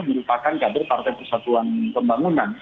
merupakan kader partai persatuan pembangunan